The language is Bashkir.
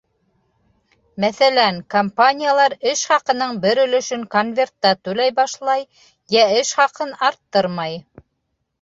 Мәҫәлән, компаниялар эш хаҡының бер өлөшөн конвертта түләй башлай йә эш хаҡын арттырмай.